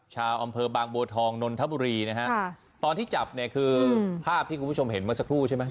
ชาวอำเภอบางบัวทองนนทบุรีนะฮะตอนที่จับเนี่ยคือภาพที่คุณผู้ชมเห็นเมื่อสักครู่ใช่ไหม